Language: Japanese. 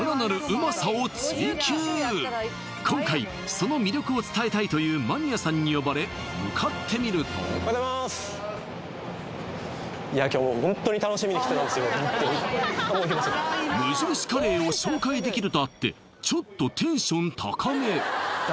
今回その魅力を伝えたいというマニアさんに呼ばれ向かってみると無印カレーを紹介できるとあってちょっといや